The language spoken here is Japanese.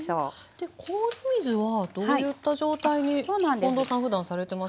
で氷水はどういった状態に近藤さんふだんされてますか？